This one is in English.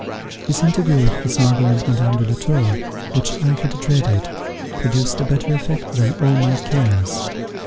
His interview with his mother and Madame de la Tour, which I had dreaded, produced a better effect than all my cares.